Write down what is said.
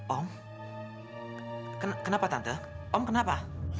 om kenapa tante om kenapa